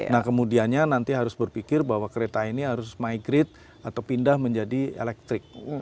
nah kemudiannya nanti harus berpikir bahwa kereta ini harus migrade atau pindah menjadi elektrik